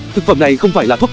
thực phẩm này không phải là thuốc